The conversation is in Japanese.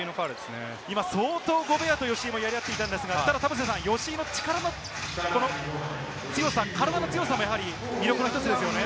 今、相当ゴベアと吉井もやり合っていたんですが、田臥さん、吉井の力の体の強さも魅力の１つですね。